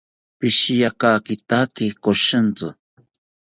Pishiya kakitaki koshintzi